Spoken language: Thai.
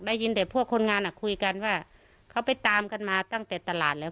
ได้ยินแต่พวกคนงานอ่ะคุยกันว่าเขาไปตามกันมาตั้งแต่ตลาดแล้ว